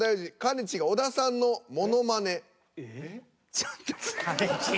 ちょっと。